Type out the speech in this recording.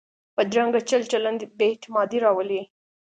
بدرنګه چل چلند بې اعتمادي راولي